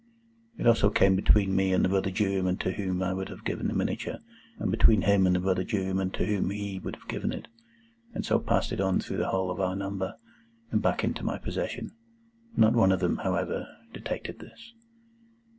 It also came between me and the brother juryman to whom I would have given the miniature, and between him and the brother juryman to whom he would have given it, and so passed it on through the whole of our number, and back into my possession. Not one of them, however, detected this.